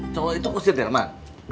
cowok itu kusir delman